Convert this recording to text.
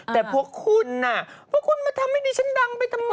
แต่พวกคุณน่ะพวกคุณมาทำให้ดิฉันดังไปทำไม